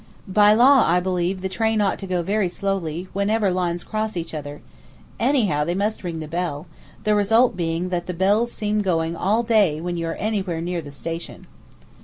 By law, I believe, the train ought to go very slowly wherever lines cross each other; anyhow they must ring the bell, the result being that the bells seem going all day when you are anywhere near the station.